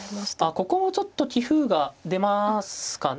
ここもちょっと棋風が出ますかね。